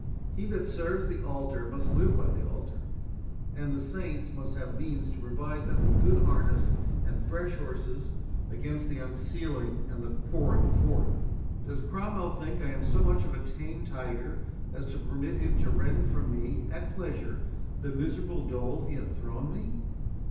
He that serves the altar must live by the altar—and the saints must have means to provide them with good harness and fresh horses against the unsealing and the pouring forth. Does Cromwell think I am so much of a tame tiger as to permit him to rend from me at pleasure the miserable dole he hath thrown me?